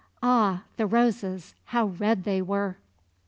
Ah, the roses; how red they were!